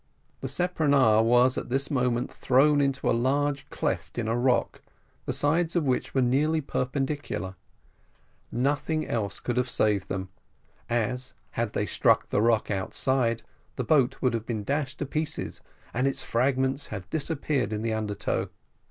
The speronare was at this moment thrown into a large cleft in a rock, the sides of which were nearly perpendicular; nothing else could have saved them, as, had they struck the rock outside, the boat would have been dashed to pieces, and its fragments have disappeared in the undertow.